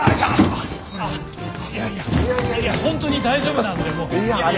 いやいや本当に大丈夫なんでもう。